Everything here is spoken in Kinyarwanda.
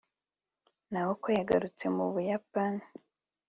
naoko yagarutse mu buyapani